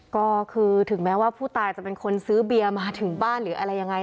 ก็คือถึงแม้ว่าผู้ตายจะเป็นคนซื้อเบียร์มาถึงบ้านหรืออะไรยังไง